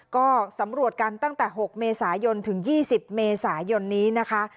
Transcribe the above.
ก็สำรวจกันตั้งแต่๖เมษายนถึง๒๐เมษายนนี้นะคะ